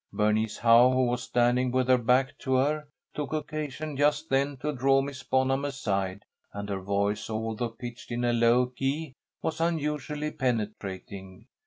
Bernice Howe, who was standing with her back to her, took occasion just then to draw Miss Bonham aside, and her voice, although pitched in a low key, was unusually penetrating.